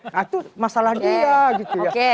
nah itu masalah dia oke